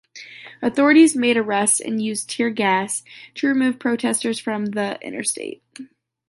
Authorities made arrests and used tear gas to remove protesters from the interstate.